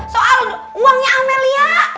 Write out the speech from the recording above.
soal uangnya amelia